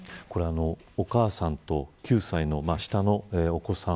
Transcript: お母さんと９歳のお子さん。